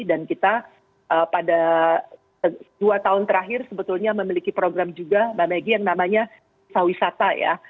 dan kita pada dua tahun terakhir sebetulnya memiliki program juga mbak megi yang namanya desa wisata ya